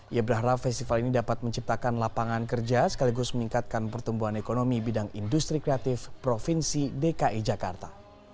ia berharap festival ini dapat menciptakan lapangan kerja sekaligus meningkatkan pertumbuhan ekonomi bidang industri kreatif provinsi dki jakarta